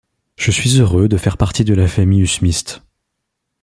Je suis heureux de faire partie de la famille usmiste.